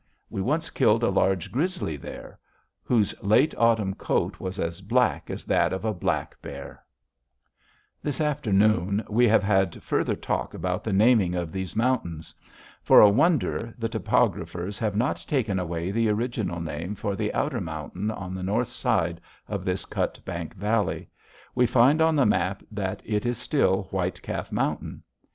We once killed a large grizzly there, whose late autumn coat was as black as that of a black bear. [Illustration: STABS BY MISTAKE, SUN WOMAN, AND HER SON, LITTLE OTTER IN CUTBANK CAÑON] This afternoon we have had further talk about the naming of these mountains. For a wonder, the topographers have not taken away the original name for the outer mountain on the north side of this Cutbank Valley: we find on the map that it is still White Calf Mountain.